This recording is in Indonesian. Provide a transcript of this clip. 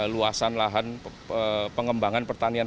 luasan lahan pengembangan pertanian